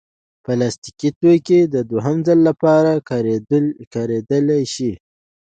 پلاستيکي توکي د دوهم ځل لپاره کارېدلی شي.